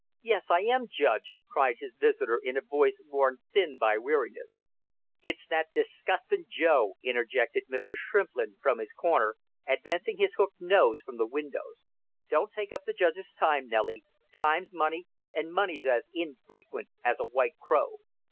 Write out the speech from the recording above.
"Yes I am, Judge!" cried his visitor in a voice worn thin by weariness. "It's that disgustin' Joe!" interjected Mr. Shrimplin from his corner, advancing his hooked nose from the shadows. "Don't take up the judge's time, Nellie; time's money, and money's as infrequent as a white crow."